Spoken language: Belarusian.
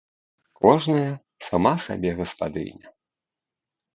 Кожная сама сабе гаспадыня.